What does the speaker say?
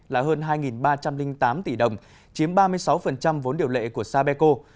là hơn hai ba trăm linh tám tỷ đồng chiếm ba mươi sáu vốn điều lệ của sapeco